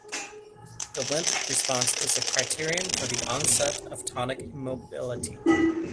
The "limp" response is a criterion for the onset of tonic immobility.